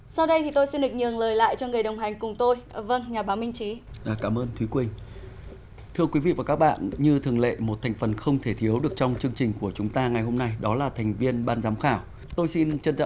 sau đây thì tôi xin định nhường lời lại cho người đồng hành cùng tôi